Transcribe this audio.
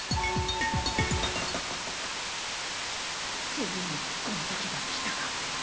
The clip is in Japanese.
ついにこの時が来たか。